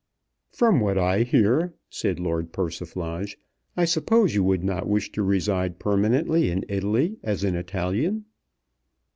"From what I hear," said Lord Persiflage, "I suppose you would not wish to reside permanently in Italy, as an Italian?"